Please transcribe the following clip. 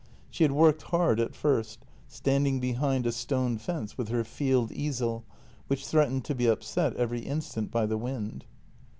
She had worked hard at first, standing behind a stone fence with her field easel, which threatened to be upset every instant by the wind.